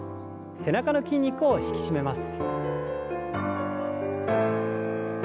背中の筋肉を引き締めます。